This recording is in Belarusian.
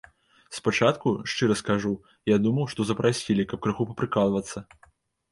Спачатку, шчыра скажу, я думаў, што запрасілі, каб крыху папрыкалвацца.